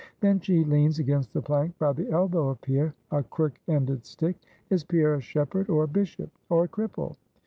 Then she leans against the plank by the elbow of Pierre, a crook ended stick. Is Pierre a shepherd, or a bishop, or a cripple?